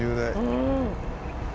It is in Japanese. うん。